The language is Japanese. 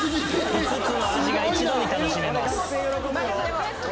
５つの味が一度に楽しめます。